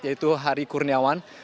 yaitu hari kurniawan